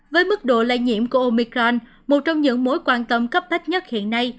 với mức độ lây nhiễm của omicron một trong những mối quan tâm cấp bách nhất hiện nay